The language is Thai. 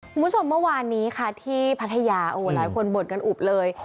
คุณผู้ชมเมื่อวานนี้ค่ะที่ภัทยาโอ้หลายคนบ่นกันอุบเลย